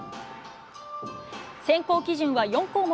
選考基準は４項目。